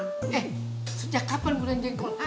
eh sejak kapan gue nangis